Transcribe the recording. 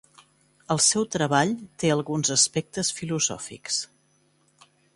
El seu treball té alguns aspectes filosòfics.